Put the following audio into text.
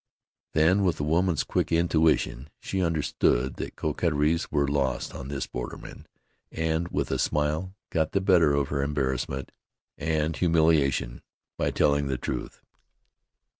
Then, with a woman's quick intuition, she understood that coquetries were lost on this borderman, and, with a smile, got the better of her embarrassment and humiliation by telling the truth.